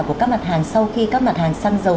của các mặt hàng sau khi các mặt hàng xăng dầu